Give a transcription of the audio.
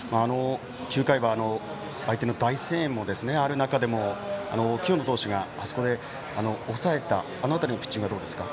９回は相手の大声援もある中で清野投手が、あそこで抑えたあの辺りのピッチングはどうですか？